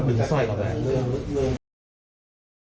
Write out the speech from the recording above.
เรื่องวุฒิวัสดีครับ